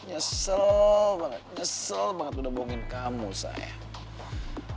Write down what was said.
nyesel banget nyesel banget udah bohongin kamu saya